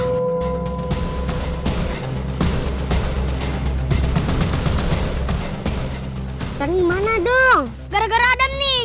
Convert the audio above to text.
semoga kan dimana dong gara gara ada nih